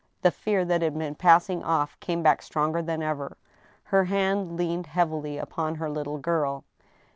The fear that had been passing off came back stronger than ever. Her hand leaned heavily upon her little girl.